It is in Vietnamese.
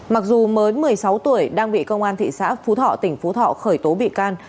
mặc dù mới một mươi sáu tuổi đang bị công an thị xã phú thọ tỉnh phú thọ khởi tố bị can